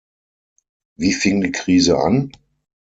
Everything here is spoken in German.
Wie fing die Krise an?